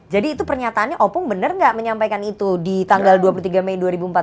jadi itu pernyataannya opung benar enggak menyampaikan itu di tanggal dua puluh tiga mei dua ribu empat belas